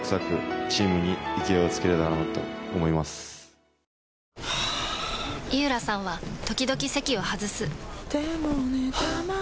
はぁ井浦さんは時々席を外すはぁ。